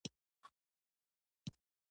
اکسیجن د تنفس په وخت کې بدن ته داخلیږي.